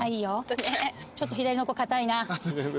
ちょっと左の子硬いな。